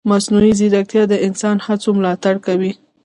مصنوعي ځیرکتیا د انساني هڅو ملاتړ کوي.